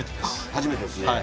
初めてです。